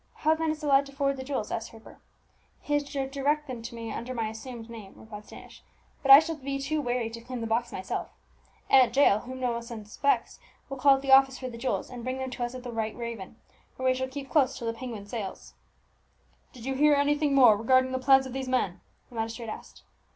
"'How then is the lad to forward the jewels?' asked Harper. "'He is to direct them to me under my assumed name,' replied Standish; 'but I shall be too wary to claim the box myself. Aunt Jael, whom no one suspects, will call at the office for the jewels, and bring them to us at the White Raven, where we shall keep close till the Penguin sails.'" "Did you hear anything more regarding the plans of these men?" the magistrate asked.